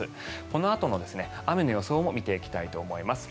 このあとの雨の予想も見ていきたいと思います。